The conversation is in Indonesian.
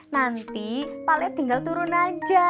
nanti pak leh tinggal turun aja